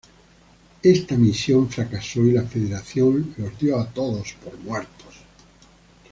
Esta misión fracasó y la federación los dio a todos por muertos.